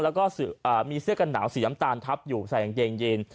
แล้วก็มีเสื้อกันหนาวสีน้ำตาลทับอยู่ใส่กางเกงยีน